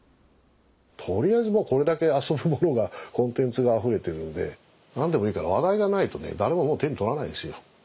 とりあえずこれだけ遊ぶものがコンテンツがあふれてるので何でもいいから話題がないとね誰ももう手に取らないですよ。